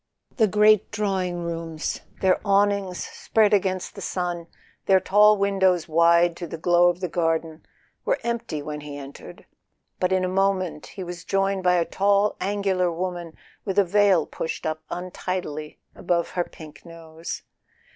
The great drawing rooms, their awnings spread against the sun, their tall windows wide to the glow of the garden, were empty when he entered; but in a mo¬ ment he was joined by a tall angular woman with a veil pushed up untidily above her pink nose.